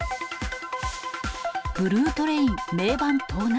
ブルートレイン銘板盗難。